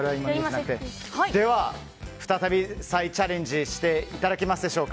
では、再び再チャレンジしていただきましょう。